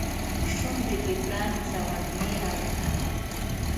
شونډې دې پرانیزه وږمې راوله